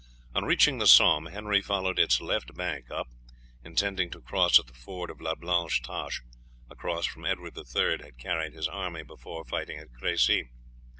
On reaching the Somme Henry followed its left bank up, intending to cross at the ford of La Blanche Tache, across which Edward the Third had carried his army before fighting at Crecy.